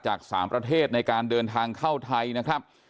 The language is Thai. จาก๓ประเทศในการเดินทางเข้าไทยนะครับ